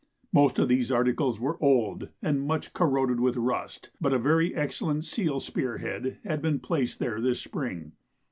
Most of these articles were old and much corroded with rust, but a very excellent seal spear head had been placed there this spring.